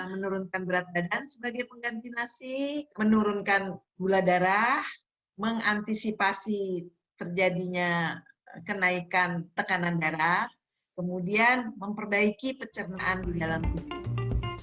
menurunkan berat badan sebagai pengganti nasi menurunkan gula darah mengantisipasi terjadinya kenaikan tekanan darah kemudian memperbaiki pencernaan di dalam tubuh